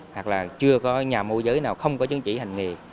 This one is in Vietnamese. hoặc là chưa có nhà môi giới nào không có chứng chỉ hành nghề